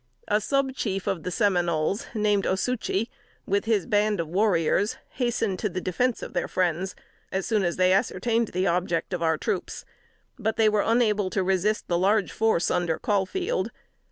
A sub chief of the Seminoles, named Osuchee, with his band of warriors, hastened to the defense of their friends, as soon as they ascertained the object of our troops; but they were unable to resist the large force under Caulfield.